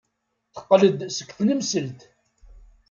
Teqqel-d seg tnemselt.